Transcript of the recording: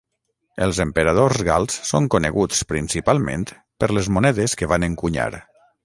Els emperadors gals són coneguts, principalment, per les monedes que van encunyar.